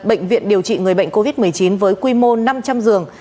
bệnh viện điều trị người bệnh covid một mươi chín với quy mô năm trăm linh giường